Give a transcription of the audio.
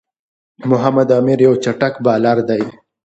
محمد عامِر یو چټک بالر دئ.